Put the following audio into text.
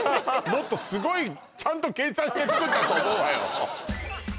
もっとすごいちゃんと計算して作ったと思うわよ